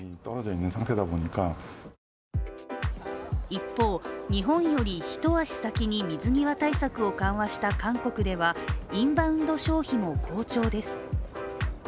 一方、日本より一足先に水際対策を緩和した韓国ではインバウンド消費も好調です。